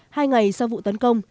hai ngày sau vụ tấn công